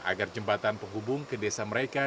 agar jembatan penghubung ke desa mereka